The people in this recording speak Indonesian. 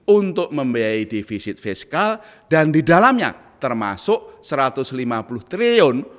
untuk membiayai divisit fiskal dan di dalamnya termasuk rp satu ratus lima puluh triliun